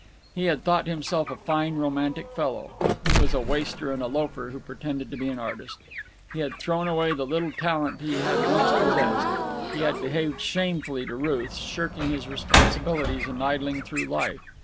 He had thought himself a fine, romantic fellow. He was a waster and a loafer who pretended to be an artist. He had thrown away the little talent he had once possessed. He had behaved shamefully to Ruth, shirking his responsibilities and idling through life.